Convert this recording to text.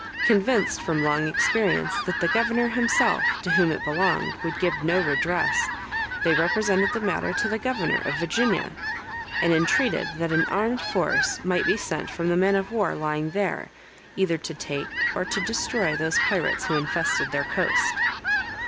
Convinced from long experience, that the governor himself, to whom it belonged, would give no redress, they represented the matter to the governor of Virginia, and entreated that an armed force might be sent from the men of war lying there, either to take or to destroy those pirates who infested their coast.